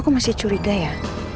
kau masih curiga ya